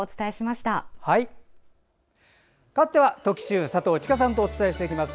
かわっては特集佐藤千佳さんとお伝えしていきます。